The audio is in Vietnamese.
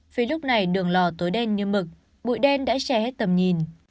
vì lúc này đường lò tối đen như mực bụi đen đã che hết tầm nhìn